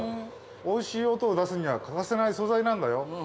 おいしい音を出すには欠かせない素材なんだよ。